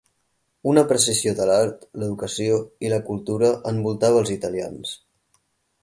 Una apreciació de l'art, l'educació, i la cultura envoltava els italians.